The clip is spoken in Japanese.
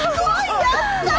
やったー！